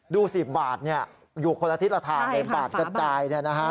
ดูสิบาทอยู่คนละทิศละทางเลยบาทกระจาย